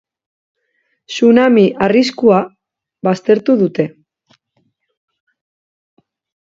Tsunami arriskua baztertu dute.